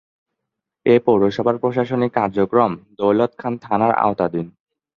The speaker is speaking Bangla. এ পৌরসভার প্রশাসনিক কার্যক্রম দৌলতখান থানার আওতাধীন।